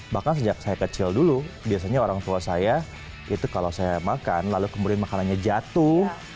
bahkan sejak saya kecil dulu biasanya orang tua saya itu kalau saya makan lalu kemudian makanannya jatuh